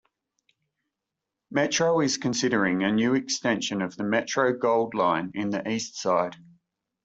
Metro is considering a new extension of the Metro Gold Line in the Eastside.